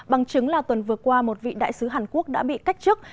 bằng chứng là tuần vừa qua một vị đại sứ hàn quốc đã bị cách chức